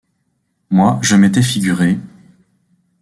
Moi je m’étais figuré...